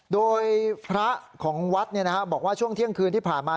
โดยพระของวัดบอกว่าช่วงเที่ยงคืนที่ผ่านมา